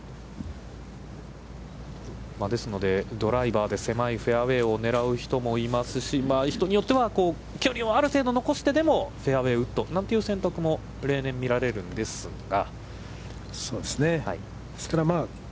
ですので、ドライバーで狭いフェアウェイを狙う人もいますし、人によっては距離をある程度残してでもフェアウェイウッドなんて選択も例年見られるんですが。